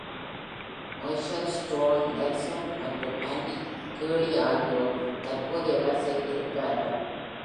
Moser, Stone, Nelson மற்றும் Andy Gurley ஆகியோர் தற்போதைய வரிசையில் இருப்பவர்கள்.